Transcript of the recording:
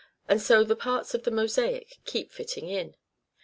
And so the parts of the mosaic keep fitting in.